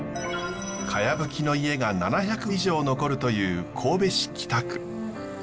かやぶきの家が７００以上残るという神戸市北区。